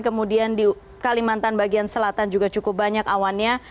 kemudian di kalimantan bagian selatan juga cukup banyak awannya